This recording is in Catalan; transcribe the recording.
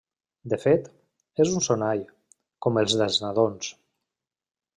De fet, és un sonall, com els dels nadons.